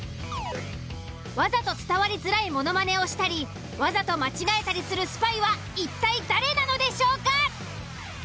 わざと伝わりづらいものまねをしたりわざと間違えたりするスパイは一体誰なのでしょうか！？